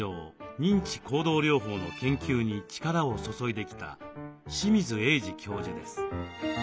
認知行動療法の研究に力を注いできた清水栄司教授です。